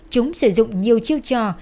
chúng sử dụng nhiều chiêu trò